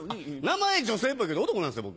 名前女性っぽいけど男なんですよ